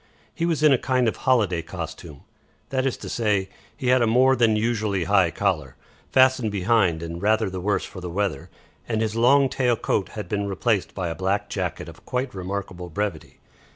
He was in a kind of holiday costume; that is to say, he had a more than usually high collar, fastened behind and rather the worse for the weather, and his long tail coat had been replaced by a black jacket of quite remarkable brevity.